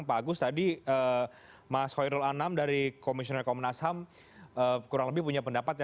pak agus tadi mas khairul anam dari komisioner komunas ham kurang lebih punya pendapatnya